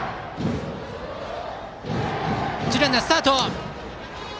一塁ランナー、スタート。